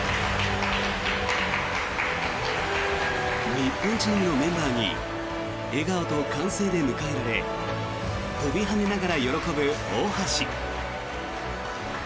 日本チームのメンバーに笑顔と歓声で迎えられ跳びはねながら喜ぶ大橋。